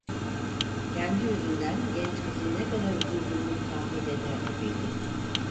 Kendi yüzünden genç kızın ne kadar üzüldüğünü tahmin eder gibiydi.